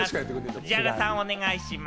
藤原さん、お願いします。